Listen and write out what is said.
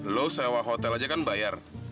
lo sewa hotel aja kan bayar